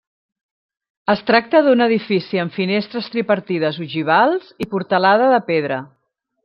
Es tracta d'un edifici amb finestres tripartides ogivals i portalada de pedra.